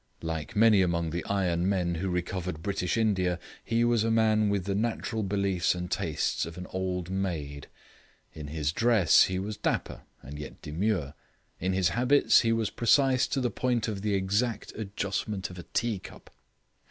Like many among the iron men who recovered British India, he was a man with the natural beliefs and tastes of an old maid. In his dress he was dapper and yet demure; in his habits he was precise to the point of the exact adjustment of a tea cup.